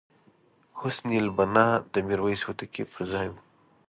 حسن البناء د میرویس هوتکي پرځای وو.